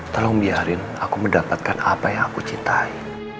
tolong biarin aku mendapatkan apa yang aku cintai